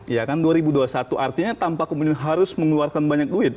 ya kan dua ribu dua puluh satu artinya tanpa kemudian harus mengeluarkan banyak duit